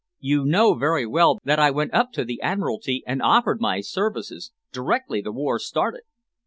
You know very well that I went up to the Admiralty and offered my services, directly the war started."